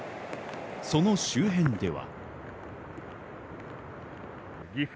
その周辺では。